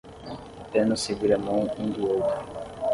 Apenas segure a mão um do outro